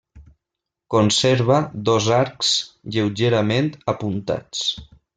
Conserva dos arcs lleugerament apuntats.